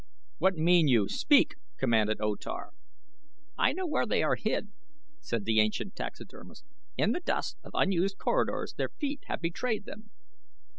"What mean you? Speak!" commanded O Tar. "I know where they are hid," said the ancient taxidermist. "In the dust of unused corridors their feet have betrayed them."